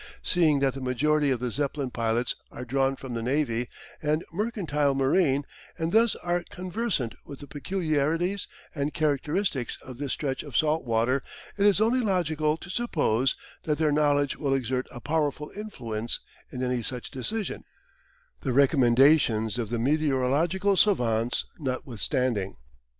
Seeing that the majority of the Zeppelin pilots are drawn from the Navy and mercantile marine, and thus are conversant with the peculiarities and characteristics of this stretch of salt water, it is only logical to suppose that their knowledge will exert a powerful influence in any such decision, the recommendations of the meteorological savants not withstanding.